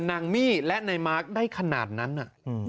นางมี่และนายมาร์คได้ขนาดนั้นน่ะ